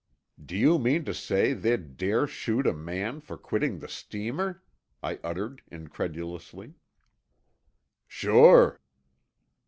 "Do you mean to say they'd dare shoot a man for quitting the steamer?" I uttered incredulously. "Sure."